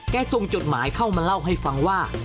ส่งจดหมายเข้ามาเล่าให้ฟังว่า